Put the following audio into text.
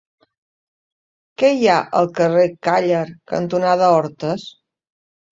Què hi ha al carrer Càller cantonada Hortes?